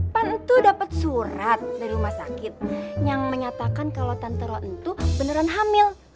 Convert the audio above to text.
pan itu dapet surat dari rumah sakit yang menyatakan kalau tante roentu beneran hamil